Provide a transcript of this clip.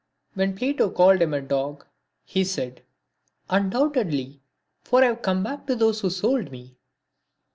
When Plato called him a dog, he said, " Un doubtedly, for I have come back to those who sold me."